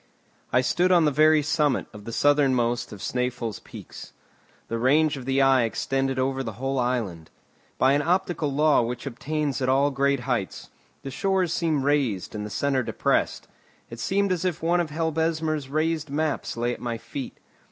I stood on the very summit of the southernmost of Snæfell's peaks. The range of the eye extended over the whole island. By an optical law which obtains at all great heights, the shores seemed raised and the centre depressed. It seemed as if one of Helbesmer's raised maps lay at my feet.